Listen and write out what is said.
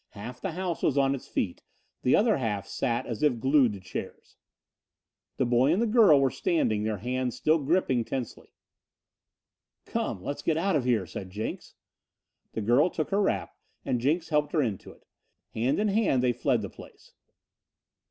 Half the house was on its feet. The other half sat as if glued to chairs. The boy and the girl were standing, their hands still gripping tensely. "Come, let's get out of here," said Jenks. The girl took her wrap and Jenks helped her into it. Hand in hand they fled the place.